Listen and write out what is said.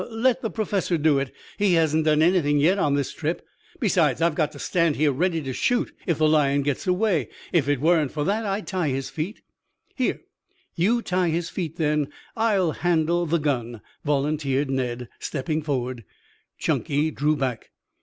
"Let the Professor do it. He hasn't done anything yet on this trip. Besides, I've got to stand here ready to shoot if the lion gets away. If it weren't for that I'd tie his feet." "Here, you tie his feet, then. I'll handle the gun," volunteered Ned, stepping forward. Chunky drew back.